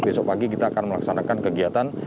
besok pagi kita akan melaksanakan kegiatan